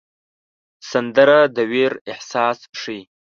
سندره د ویر احساس ښيي